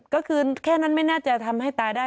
ก็คือแค่นั้นไม่น่าจะทำให้ตายได้